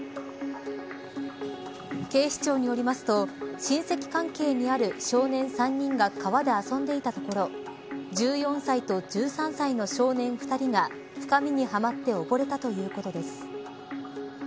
警視庁によりますと親戚関係にある少年３人が川で遊んでいたところ１４歳と１３歳の少年２人が深みにはまって溺れたということです。